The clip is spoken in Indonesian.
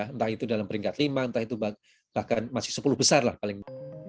entah itu dalam peringkat lima entah itu bahkan masih sepuluh besar lah paling